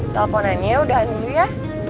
teleponannya udahan dulu ya